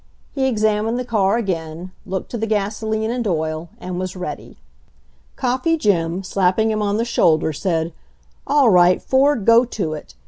He examined the car again, looked to the gasoline and oil, and was ready. Coffee Jim, slapping him on the shoulder, said, "All right, Ford, go to it !"